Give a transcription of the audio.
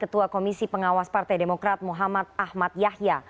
ketua komisi pengawas partai demokrat muhammad ahmad yahya